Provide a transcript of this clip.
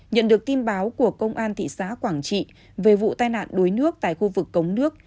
nhận được tin báo của công an thị xã quảng trị về vụ tai nạn đuối nước tại khu vực cống nước